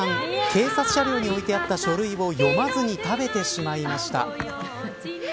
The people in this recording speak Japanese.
警察車両に置いちゃった書類を読まずに食べてしまいました。